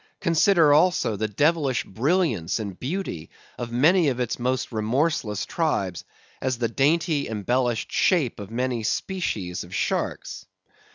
Consider also the devilish brilliance and beauty of many of its most remorseless tribes, as the dainty embellished shape of many species of sharks.